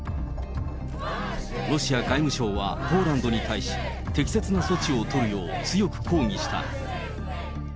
ロシア外務省はポーランドに対し、適切な措置を取るよう、強く抗議した。